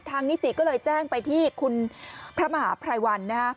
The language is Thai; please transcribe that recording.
ทางนิติก็เลยแจ้งไปที่คุณพระมหาพรายวันนะ